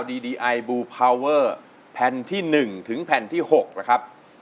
ดีดีไอบูลพาวเวอร์แผ่นที่หนึ่งถึงแผ่นที่หกแล้วครับ